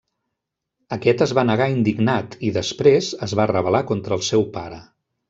Aquest es va negar indignat i, després, es va rebel·lar contra el seu pare.